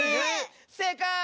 せいかい！